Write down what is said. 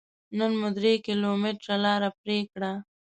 نن مو درې کيلوميټره لاره پرې کړه.